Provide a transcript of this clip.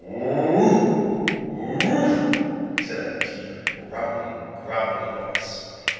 "Woof, woof," said a deep, rumbly, grumbly voice.